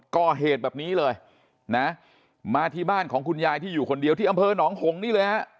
ก่อเหตุแบบนี้เลยนะมาที่บ้านของคุณยายที่อยู่คนเดียวที่อำเภอหนองหงนี่เลยฮะ